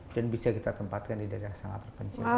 dan bisa kita tempatkan di daerah sangat berpencinta